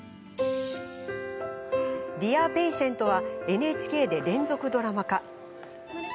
「ディア・ペイシェント」はＮＨＫで連続ドラマ化。